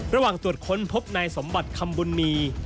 ระหว่างสวดค้นพบในสมบัติคำบุญมี